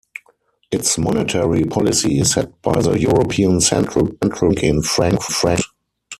Its monetary policy is set by the European Central Bank in Frankfurt.